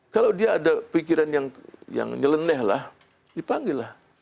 kalau dia ada pikiran yang nyeleneh lah dipanggil lah